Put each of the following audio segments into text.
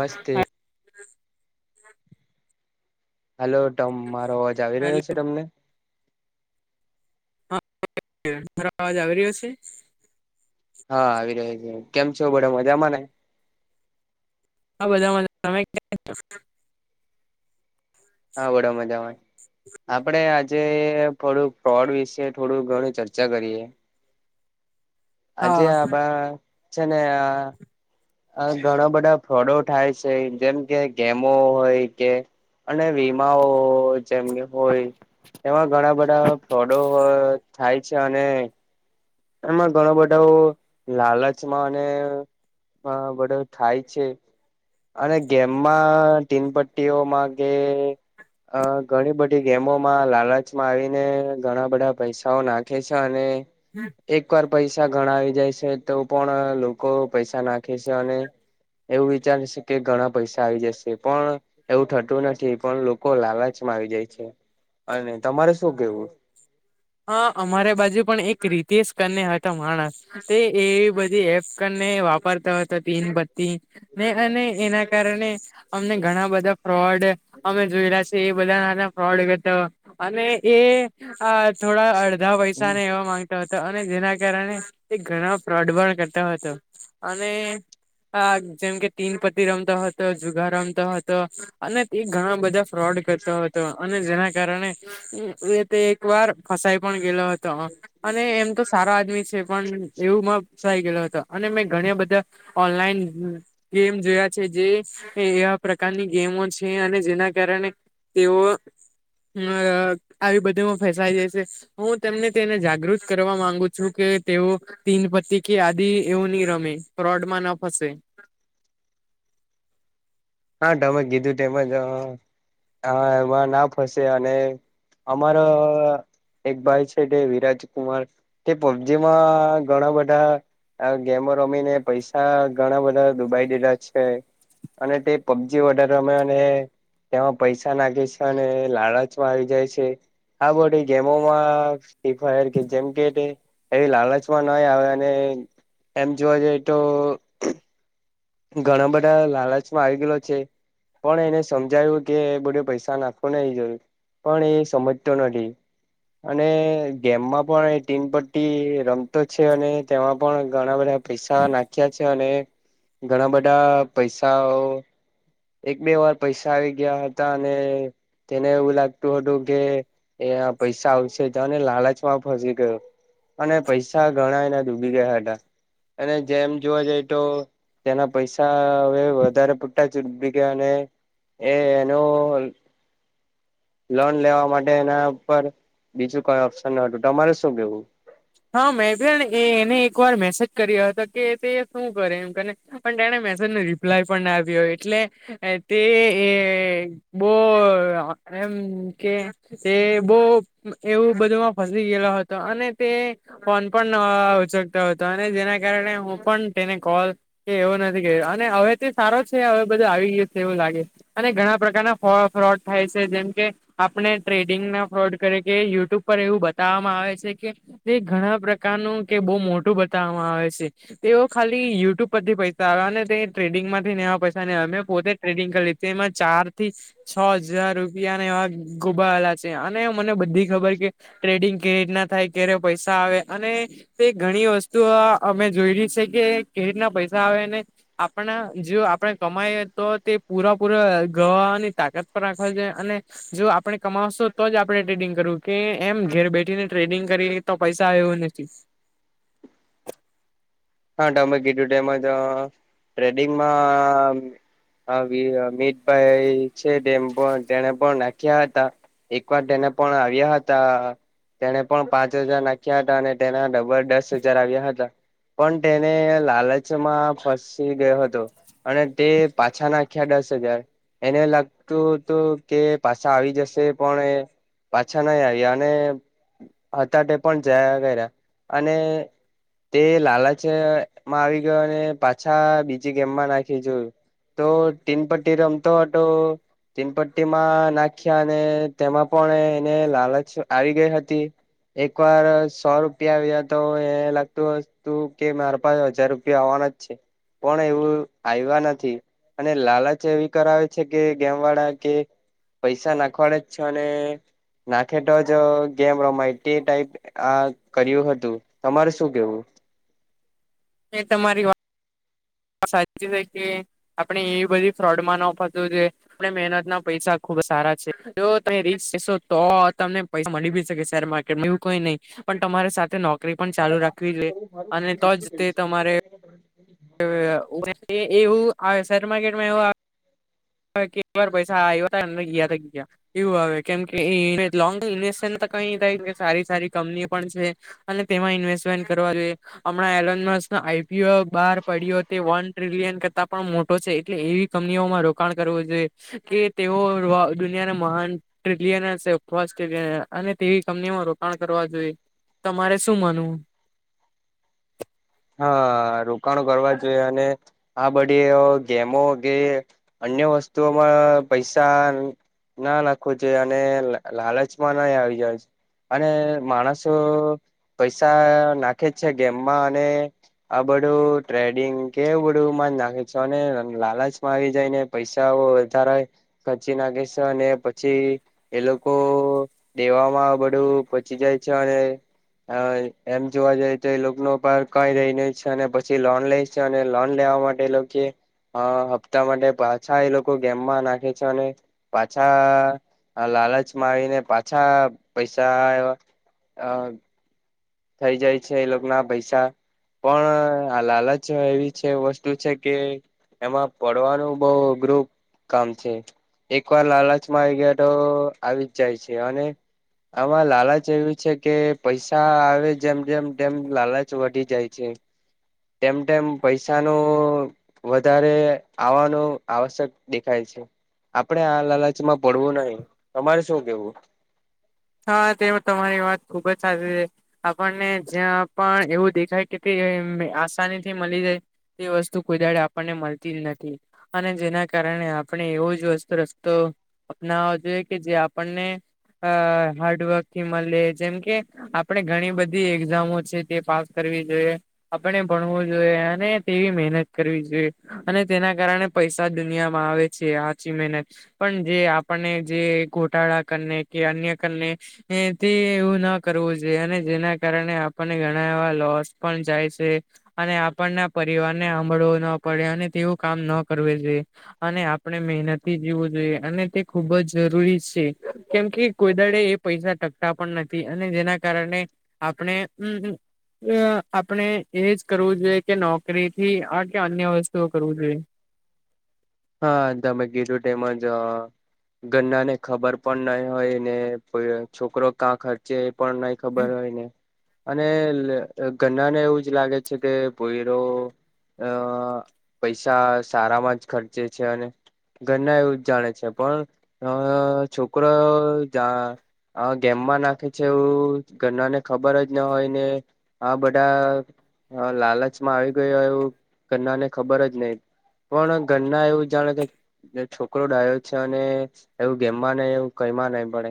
મસ્તે હા. હલો, તમ મારો અવાજ આવી હેલો રહ્યો છે તમને? હા, મારો અવાજ આવી રહ્યો છે? હા, આવી રહ્યો છે કેમ છો બડે મજામાંને. હા, મજામાં તમે [unintelligible] હા બડો મજામાં. આપડે આજે થોડુંક ફ્રોડ વિશે થોડું ઘણી ચર્ચા કરીએ. આજે હા આભા છેને આ. આ ઘણા બધા ફ્રોડો થાય છે જેમ કે ગેમો હોય કે અને વીમાઓ. જેમને હોય એમાં ઘણા બધા ફ્રોડો થાય છે અને એમાં ઘણા બધાઓ લાલચમાં અને આ બધુ થાય છે. અને ગેમમાં ટીમ પટ્ટીઓમાં કે. અ ઘણી બધી ગેમોમાં લાલચમાં આવીને ઘણા બધા પૈસાઓ નાખે છે અને હમ. એક વાર પૈસા ધણા આવી જાય છે તો પણ લોકો પૈસા નાખે છે અને એવું વિચારે છેકે ઘણા પૈસા આવી જશે પણ એવું થતું નથી પણ લોકો લાલચમાં આવી જાય છે અને તમારે શું કેવું? હા, અમારે બાજુ પણ એક રીતેશ કરને હતો માણસ. તે એવી બધી એપ કરને વાપરતો હતો તીન બત્તી. ને અને એના કારણે અમને ઘણા બધા ફ્રોડ અમે જોયેલા છે એ બધા હાતના. ફોડ તો અને એ થોડા અડધા પૈસાને એવા માંગતા. અને જેના કારણે એ ઘણા ફ્રોડ પણ કરતો હતો અને આ જેમ કે તીન પતિ રમતો હતો જુગાર રમતો હતો અને એ ઘણા બધા ફ્રોડ કરતો હતો અને જેના કારણે એ તે એકવાર ફસાઈ પણ ગયેલો હતો અને એમ તો સારો આદમી છે પણ એવુંમાં ફસાઈ ગેલો હતો અને મેં ઘણી બધા ઓનલાઈન ગેમ જોયા છે જે એવા પ્રકારની ગેમો છે અને જેના કારણે તેઓ અ આવી બધુંમાં ફસાય જાય છે. હું તેમને તેને જાગૃત કરવા માંગુ છું કે તેઓ તીન પત્તિ કે આદિ એવુંની રમે ફ્રોડમાં ના ફસે. હા, તમે કીધું તેમજ એમાં ના ફસે અને અમારો એક ભાઈ છે જે વિરાજકુમાર. તે પોબજીમાં ઘણાં બધાં આ ગેમો રમીને પૈસા ઘણા બધા દુબાઈ દેધા છે અને તે પબજી વઘારે રમે અને તેમાં પૈસા નાખે છે અને લાાલચમાં આવી જાય છે. આ બધી ગેમોમાં ફ્રી ફાયર કે જેમ કે તે એવી લાલચમાં નઈ આવે અને એમ જોવા જઈએ તો ઘણા બધા પણ એને સમજાય્યું કે બધે પૈસા નાખો ને એ જરૂર પણ એ સમજતો નથી અને ગેમમાં પણ એ ટીન પટ્ટી રમતો છે અને તેમાં પણ ઘણા બધા પૈસા નાખી છે અને ઘણા બધા પૈસાઓ એક બે વાર પૈસા આવી ગયા હતા અને તેને એવું લાગતું હતું કે એ પૈસા આવશે તને લાાલચમાં ફસી ગયો. અને પૈસા ગણા એના ડૂબી ગયા હતા અને જેમ જોવા જઈ તો. તેના પૈસા હવે વધારે પટાી ગયા અને એ એનું લોન લેવા માટે એના પરર બીજું કોઈ ઓપ્શન ન હતું તમારે શું કેવું? હા મેં ભ એ એને એક વાર મેસેજ કર્યો હતો કે તે શું કરે એમ? પણ તેણે મેસેજ નો રિપ્લાય પણ ના આવ્યો એટલે તે એ બહ એમ કે તે બહ એવું બધુંમાં ફસી ગયેલો હતો અને તે ફોન પણ ઉચકતા હતો અને જેના કારણે હું પણ તેને કોલ કે એવો નથી કે અને હવે તે સારો છે હવે બધું આવી ગય છે એવું લાગે. અને ઘણા પ્રકારના ફ્રોડ થાય છે જેમ કે આપણે ટ્રેડિંગ ના ફ્રોડ કરે કે યુટ્યુબ પર એવું બતાવવામાં આવે છે કે ઘણા પ્રકારનું કે બહુ મોટું બતાવવામાં આવે છે. તેઓ ખાલી યુટ્યુબ પરથી પૈસા આવ અને તે ટ્રેડિંગમાંથી નેવા પૈસા પોતે ટ્રેડિંગ કરી લ એમાં ચાર થી છ હજાર રૂપિયા ના એવા ગોબાવેલા છે અને મને બધી ખબર કે ટ્રેડિંગ કેવી રીતના થાય કે્યારે પૈસા આવે અને તો ઘણી વસ્તુ અમે જોય ર છે કે કે રીતના પૈસા આવે ને. આપણા જો આપણે કમાઈ તો તે પૂરાપૂરા ગહ ની તાકાત પર રાખવા છે અને જો આપણેે કમાવશો તો જ આપડણે ટ્રેડિંગ કરવું કે એમ ઘેર બેઠીને ટ્રેડિંગ કરી તો પૈસા આવવું નથી. હા તમે કીધું ટમ તો ટ્રેડિંગમાં હ મીઠભાઈ છે તેમ પણ તેને પણ નાખ્યા હતા. એક વાર તેને પણ આવ્યા હતા. તેને પણ પાંચ હજાર નાખ્યા હતા અને તેના ડબલ દસ હજાર આવ્યા હતા. પણ તેને લાલચ માં ફસી ગયો હતો. અને તે પાછા નાખ્યા દસ હજાર એને લાગતું હતું કે પાછા આવી જશે પણ એ પાછા નઈ આવ્યા અને હતા હતા પણ જયા કર્યા અને તે લલા છમાં આવી ગયોને પાછા બીજી ગેમમાં નાખી જોયું. તો ટીન પટ્ટી રમતોટ તીન પટ્ટી માં નાખ્યા અને તેમાં પણ એને લાલચ આવી ગઈ હતી. એક વાર સો રૂપિયા આવ્યા તો એ લાગતું વસ્તુ કે મારા પાસે હજાર રૂપિયા આવવાના જ છે પણ એવું આવ્યા નથી. અને લાલચ એવી કરાવે છે કે ગેમ વાળા કે પૈસા નાખવાડે જ છો અને નાખે તો જ ગેમ રમાય તે ટાઈપ આ કર્યું હતું તમારે શું કેવું. એ તમારી વાત સાચી છે કે આપણે એવી બધી ફ્રોડ માં ન ફત છે. આપણે મહેનત ના પૈસા ખુબ સારા છે જો તમે રીચ જસો તો તમને પસા મળી બી શકે શેર માર્કેટમાં એવું કઈ નહી પણ તમારે નોકરી પણ મારે ચાલુ વાત રાખવી નથી જોઈએ કર અને તો જ તે તમારે મા એવું શેર માકેટમાં હું હ કે એક વાર પૈસા આવ્યા હતા એ ગયા ત ગયા એવું હ કેમ કે એ લોંગ ઇન્વેસ્ટન્ટ તો કઈ થાય સારી સારી કંપની પણ છે. અને તેમાં ઇન્વેસ્ટમેન્ટ કરવા જોઈએ હમણાં એલ આઈપીલ બ પડ્યો તે વન ટ્રિલિયન કરતાં પણ મોટો છે એટલે એવી કંપનીઓમાં રોકાણ કરવું જોઈએ. કે તેઓ દુનિયાના મહાન ટ્રિલિયન હશે ફસ્ટ અને તેવી કંપનીઓ રો કરવા જોઈએ. તમારે શું માનવું? હા રોકાણો કરવા જોઈએ અને આ બડી ગેમો કે અન્ય વસ્તુઓમાં પૈસા ના નાખો જે અને લાલચમાં ના આવી જાયજ. અને માણસો પૈસા નાખે જ છે ગેમમાં અને આ બધું ટ્રેડિંગ કેવું બધું જ નાખે છે અને લાલચમાં આવી જાયને પૈસાઓ વધારે ખર્ચી નાખે છે અને પછી એ લોકો દેવામાં બધું પચી જાય છે અને હા એમ જોવા જઈ તો લોકનો પાર્ક ચકાઈ દઈને છે અને પછી લોન લે છે અને લોન લેવા માટે લોકે હા હપ્તા માટે પાછા એ લોકો ગેમમાં નાખે છે અને પાછા લાલચમાં આવીને પાછા પૈસા એવા હા. થઈ જાય છે એ લોકો ના પૈસા પણ આ લાલચ એવી છે વસ્તુ છે કે એમાં પડવાનું બવ અઘરું કામ છે. એક વાર લાલચ માં આવી ગયા તો આવી જ જાય છે અને આમાં લાલચ એવું છે કે પૈસા આવ જેમ જેમ ડેમ લાલચ વઢી જાય છે. તેમ તેમ પૈસાનું વધારે આવવાનું આવશ્યક દેખાય છે. આપડે આ લાલચમાં પડવું નહી તમારે શું કેવું? હા તે તમારી વાત ખુબ જ સાચી છે. આપણને જ્યાં પણ એવું દેખાય કે તે આસાની થી મળી જાય તે વસ્તુ કોઈ દાડે આપણને મળતી જ નથી. અને જેના કારણે આપણે એવું જ વસ્તુ રસ્તો અપનાવ જોઈએ કે જે આપણને અ હાર્ડવર્ક થી મળે જેમ કે આપણે ઘણી બધી એક્ઝામો છે તે પાસ કરવી જોઈએ. આપણે ભણવું જોઈએ અને તેવી મહેનત કરવી જોઈએ અને તેના કારણે પૈસા દુનિયામાં આવે સાચી મહેનત પણ જે આપણને જે ગોટાળા કરીને કે અન્ય કરને એથી એવું ના કરવું જોઈએ અને જેના કારણે આપણને ઘણા એવા લોસ પણ જાય છે. અને આપણના પરિવાર ને સાંભળવો ન પડે અને તેવું કામ ન કરવું જોઈએ. અને આપણે મહેનતી જીવું જોઈએ અને તે ખુબ જ જરૂરી છે કેમ કે કોઈદાડે એ પૈસા ટકતા પણ નથી અને જેના કારણે આપણે, હમ્મ. આપણે એજ કરવું જોઈએ કે નોકરી થી આ કે અન્ય વસ્તુઓ કરવું જોઈએ. હા તમે ગીરુ ટાઈમ જ અ ગરના ને ખબર પણ નહી હોય ને છોકરો કા ખ એ પણ નઈ ખબર હોયને અને ગના ને એવું જ લાગે છે કે ભોયરો અ પૈસા સારામાં જ ખર્ચે છે અને ઘરના એવું જાણે છે પણ અ છોકરો જા હા ગેમમાં નાખે છે એવું ઘરના ને ખબર જ ના હોય ને આ બધા હા લાલચમાં આવી ગયો એવું ઘણાને ખબર જ નહી પણ ઘરના એવું જાણે કે છોકરો ડાયો છે અને એવું ગેમમાં નહિ એવું કઈમાં નહી પડે.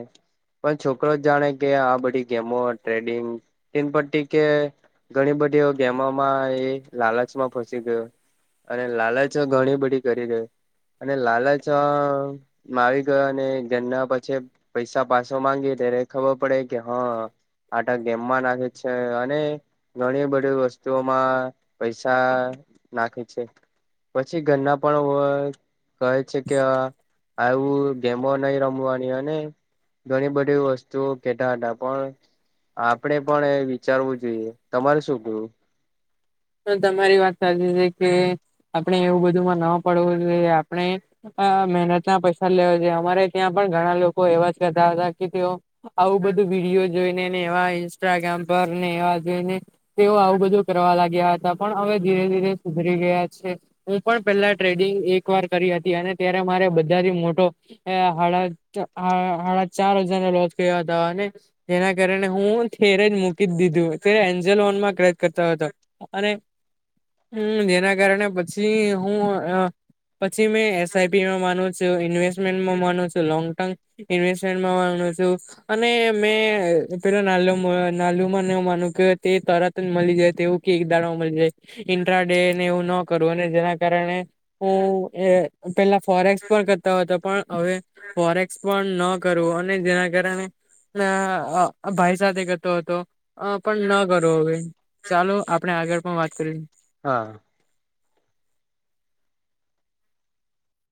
પણ છોકરો જ જાણે કે આ બધી ગેમો ટ્રેડિંગ એ પટ્ટી કે ઘણી બધી એ ગેમોમાં એ લાલચમાં ફસી ગયો અને લાલચો ઘણી બધી કરી દે અને લાલચ અ આવી ગયો અને ગેનના પછે પૈસા પાસો માંગી ત્યારે ખબર પડે કે હહ આટ ગેમમાં નાખે છે અને ઘણી બધી વસ્તુઓમાં પૈસા નાખે છે. પછી ઘરના પણ વ કહે છે કે અ આવું ગેમો નહીં રમવાની અને ઘણી બધી વસ્તુઓ કેતા હતા પણ આપણે પણ એ વિચારવું જોઈએ. તમારે શું કેવું? તો તમારી વાત સાચી છે કે આપણે એવું બધુંમાં ન પડવું જોઈએ આપણે અ મહેનતના પૈસા લેવા છે અમારે ત્યાં પણ ઘણા લોકો એવા જ કરતા હતા કે તેઓ આવું બધું વિડીયો જોઈને ને એવા ઇન્સ્ટાગ્રામ પર ને એવા જોઈને તેઓ આવું બધું કરવા લાગ્યા હતા. પણ હવે ધીરે ધીરે સુધરી ગયા છે. હું પણ પેલા ટ્રેડિંગ એક વાર કરી હતી અને ત્યારે મારે બધાથી મોટો એ હાડા હાડા હાડા ચાર હજારનો લોજ કર્યો હતો અને જેના કારણે હું તેરે જ મૂકી જ દીધું ત્યારે એન્જલોનમાં ટ્રેડ કરતો હતો. અને હમ જેના કારણે પછી હું અ પછી મેં એસઆઈપીમાં માનું છું, ઇન્વેસ્ટ મેન્ટમાં માનું છું, લોંગ ટર્મ ઇન્વેસ્ટમેન્ટમાં માનું છું. અને મેં પેલો નાલો નાલુ માં માનું કે તે તરત જ મલી જાય તેવું કે એક દાણામાં મળી જાય ઇન્ટ્રા ડે ને એવું ન કરવું અને જેના કારણે હું એ પેલા ફોરએક્સ પણ કરતો હતો પણ હવે ફોરેક્સ પણ ન કરવું અને જેના કારણે ના અ ભાઈ સાથે કરતો હતો. અ પણ ન કરો હવે ચાલો આપ આપણે આગળ પણ વાત કરી. હા